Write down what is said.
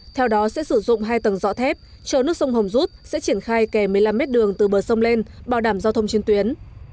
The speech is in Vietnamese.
theo đó sẽ sử dụng hai tầng dọ thép chờ nước sông hồng rút sẽ triển khai kè một mươi năm mét đường từ bờ sông lên bảo đảm giao thông trên tuyến